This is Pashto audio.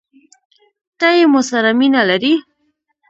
ته يې مو سره مينه لرې؟